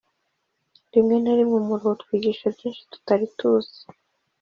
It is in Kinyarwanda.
rimwe na rimwe umuruho utwigisha byinshi tutari tuzi